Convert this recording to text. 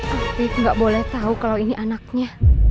aku gak boleh tau kalo ini anaknya